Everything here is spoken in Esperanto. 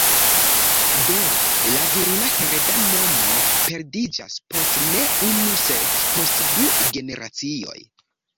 Do la virina hereda nomo perdiĝas post ne unu sed post du generacioj.